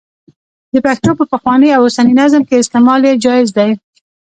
د پښتو په پخواني او اوسني نظم کې استعمال یې جائز دی.